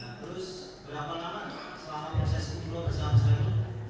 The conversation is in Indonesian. nah terus berapa lama selama proses umroh bersama saya